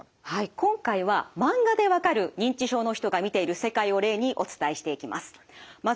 今回はマンガでわかる認知症の人が見ている世界を例にお伝えしていきます。